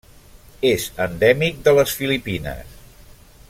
És endèmic de les Filipines.